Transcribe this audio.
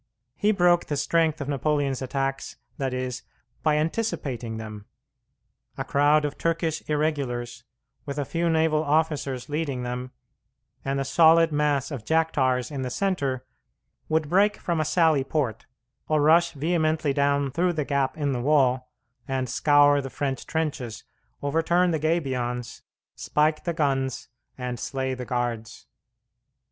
He broke the strength of Napoleon's attacks, that is, by anticipating them. A crowd of Turkish irregulars, with a few naval officers leading them, and a solid mass of Jack tars in the centre, would break from a sally port, or rush vehemently down through the gap in the wall, and scour the French trenches, overturn the gabions, spike the guns, and slay the guards.